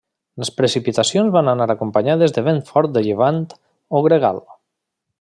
Les precipitacions van anar acompanyades de vent fort de llevant o gregal.